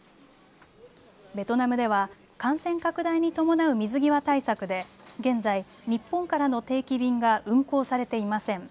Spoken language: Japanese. ベトナムでは感染拡大に伴う水際対策で現在、日本からの定期便が運航されていません。